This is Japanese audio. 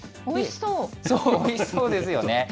そう、おいしそうですよね。